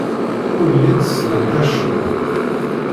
Ur llint ssnent acemma.